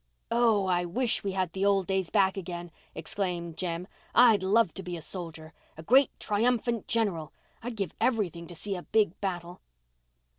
"Oh, I wish we had the old days back again," exclaimed Jem. "I'd love to be a soldier—a great, triumphant general. I'd give everything to see a big battle."